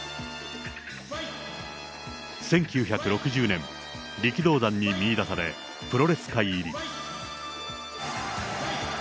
１９６０年、力道山に見いだされ、プロレス界入り。